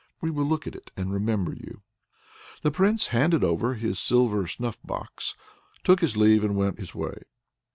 We will look at it and remember you." The Prince handed over his silver snuff box, took his leave and went his way.